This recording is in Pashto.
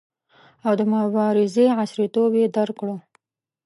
او د مبارزې عصریتوب یې درک کړو.